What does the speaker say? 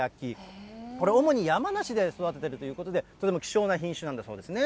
これ、主に山梨で育ててるということで、これも希少な品種なんですね。